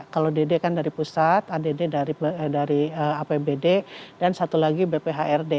kalau dd kan dari pusat add dari apbd dan satu lagi bphrd